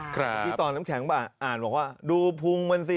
ที่ตอนน้ำแข็งอ่านบอกว่าดูพุงมันสิ